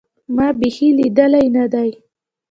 ما بيخي ليدلى نه دى.